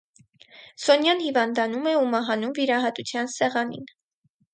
Սոնյան հիվանդանում է ու մահանում վիրահատության սեղանին։